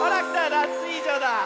ダツイージョだ。